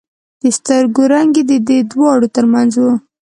د سترګو رنگ يې د دې دواړو تر منځ و.